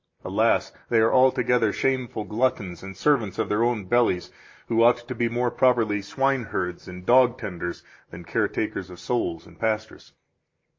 Alas! they are altogether shameful gluttons and servants of their own bellies who ought to be more properly swineherds and dog tenders than care takers of souls and pastors.